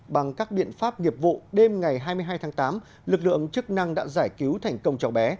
bằng các biện pháp nghiệp vụ đêm ngày hai mươi hai tháng tám lực lượng chức năng đã giải cứu thành công cháu bé